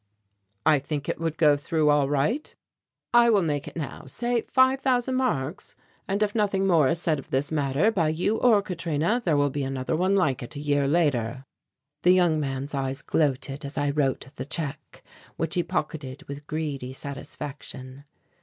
"I think it would go through all right." "I will make it now; say five thousand marks, and if nothing more is said of this matter by you or Katrina, there will be another one like it a year later." The young man's eyes gloated as I wrote the check, which he pocketed with greedy satisfaction.